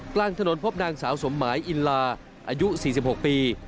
กลางถนนพบนางสาวสมหมายอินลาอายุ๔๖ปี